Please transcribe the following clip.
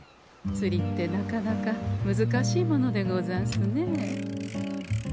釣りってなかなか難しいものでござんすねえ。